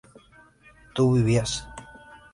tú vivías